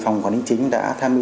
phòng quản lý chính đã tham dự